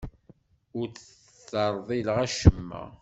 Ur d-terḍileḍ acemma.